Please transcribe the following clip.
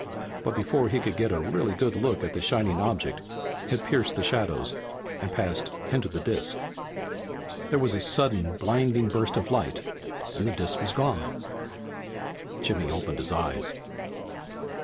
But before he could get a really good look at the shining object it pierced the shadows and passed into the disk. There was a sudden, blinding burst of light, and the disk was gone. Jimmy opened his eyes.